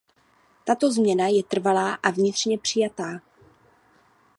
Tato změna je trvalá a vnitřně přijatá.